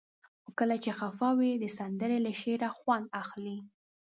خو کله چې خفه وئ؛ د سندرې له شعره خوند اخلئ.